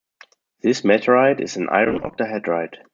This meteorite is an iron octahedrite.